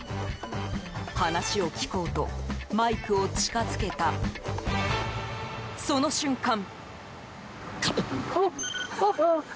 話を聞こうとマイクを近づけた、その瞬間。